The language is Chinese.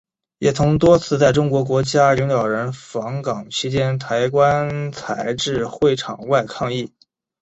也曾多次在中国国家领导人访港期间抬棺材至会场外抗议。